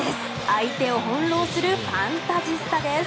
相手を翻ろうするファンタジスタです。